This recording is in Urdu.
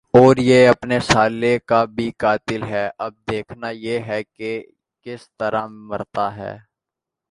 اور یہ اپنے سالے کا بھی قاتل ھے۔ اب دیکھنا یہ ھے کہ یہ کس طرع مرتا ھے۔